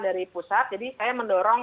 dari pusat jadi saya mendorong